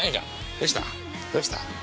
どうした？